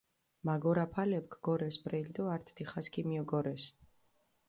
მაგორაფალეფქ გორეს ბრელი დო ართ დიხას ქიმიოგორეს.